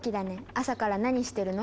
朝から何してるの？